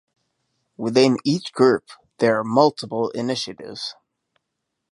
Within each group, there are multiple initiatives.